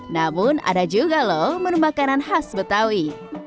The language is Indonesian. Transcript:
namun ada juga loh menu makanan khas betawi